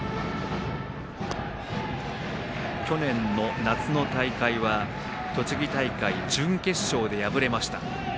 去年の夏の大会は栃木大会、準決勝で敗れました。